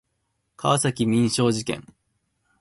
川崎民商事件